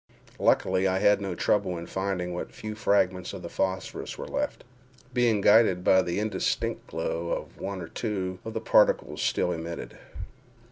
Luckily, I had no trouble in finding what few fragments of the phosphorus were left—being guided by the indistinct glow one or two of the particles still emitted.